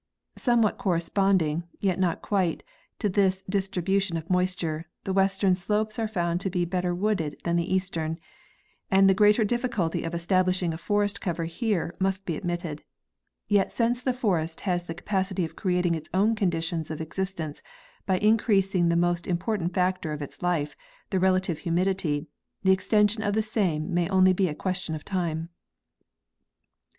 Somewhat corresponding, yet not quite, to this distribution of moisture, the western slopes are found to be better wooded than the eastern, and the greater difficulty of establishing < forest cover here must be admitted; yet since the forest has the capacity of creating its own conditions of existence by increasing the most important factor of its life, the relative humidity, the extension of the Same may only be a question of time.